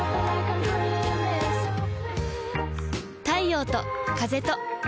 太陽と風と